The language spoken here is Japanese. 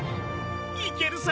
行けるさ！